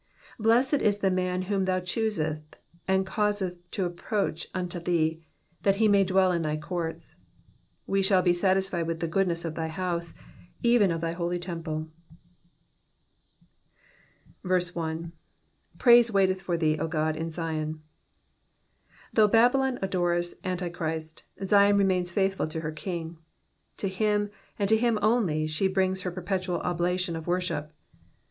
4 Blessed is the man whom thou choosest, and causest to approach unto thee, that he may dwell in thy courts : we shall be satisfied with the goodness of thy house, even of thy holy temple. 1. ^^ Praise waiteth for thee^ 0 Ood^ in Sion^ Though Babylon adores Antichrist, Zion remains faithful to her King ; to him, and to him only, she brings her perpetual oblation of worship.